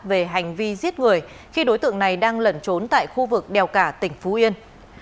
về hành vi giết người khi đối tượng này đang lẩn trốn tại khu vực đèo cả tỉnh phú yên